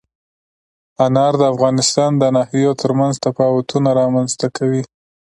انار د افغانستان د ناحیو ترمنځ تفاوتونه رامنځ ته کوي.